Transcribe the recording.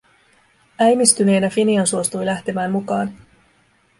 Äimistyneenä Finian suostui lähtemään mukaani.